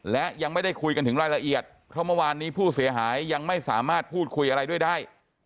และยังไม่ได้คุยกันถึงรายละเอียดเพราะเมื่อวานนี้ผู้เสียหายยังไม่สามารถพูดคุยอะไรด้วยได้